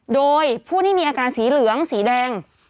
โดยผู้ที่มีอาการสีเหลืองสีแดง